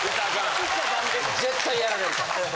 絶対やられるから。